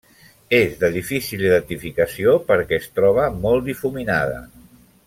És de difícil identificació perquè es troba molt difuminada.